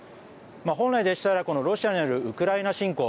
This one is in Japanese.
本来でしたらロシアによるウクライナ侵攻